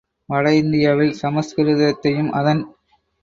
வட இந்தியாவில் சமஸ்கிருதத்தையும் அதன்